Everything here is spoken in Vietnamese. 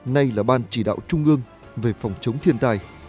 nay là ban chỉ đạo trung ương về phòng chống thiên tai